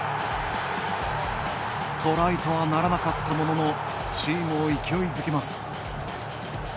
トライとはならなかったもののチームを勢いづけます。